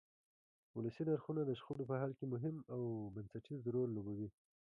ولسي نرخونه د شخړو په حل کې مهم او بنسټیز رول لوبوي.